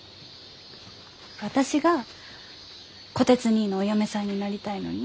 私が虎鉄にいのお嫁さんになりたいのに？